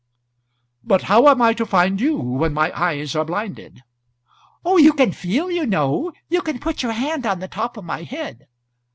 "But how am I to find you when my eyes are blinded?" "Oh, you can feel, you know. You can put your hand on the top of my head.